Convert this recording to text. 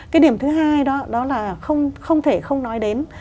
cái điểm thứ hai đó là không thể không nói đến